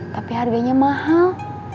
tapi harganya mahal